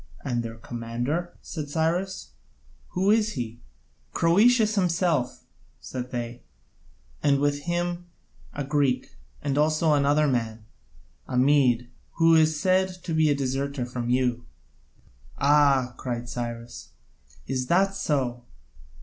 "And their commander?" said Cyrus, "who is he?" "Croesus himself," said they, "and with him a Greek, and also another man, a Mede, who is said to be a deserter from you." "Ah," cried Cyrus, "is that so?